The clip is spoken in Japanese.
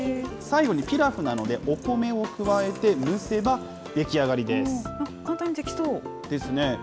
最後にピラフなので、お米を加えて蒸せば出来上がりです。ですね。